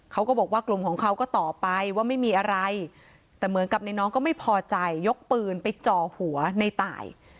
เขาก็บอกว่ากลุ่มของเขาก็ต่อไปว่าไม่มีอะไรแต่เหมือนกับในน้องก็ไม่พอใจยกปืนไปจ่อหัวในตาย